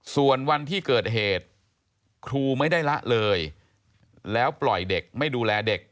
ส่วนวันที่เกิดเหตุครูไม่ได้ละเลยแล้วปล่อยเด็กไม่ดูแลเด็ก